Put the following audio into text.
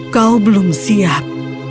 kau belum siap